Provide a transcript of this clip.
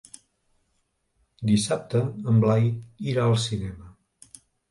Dissabte en Blai irà al cinema.